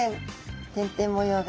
点々模様が。